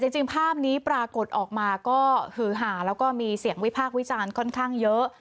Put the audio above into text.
จริงภาพนี้ปรากฏออกมาก็หือหาแล้วก็มีเสียงวิพากษ์วิจารณ์ค่อนข้างเยอะ